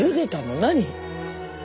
何？